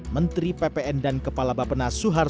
menteri ppn dan kepala bapak penas suharni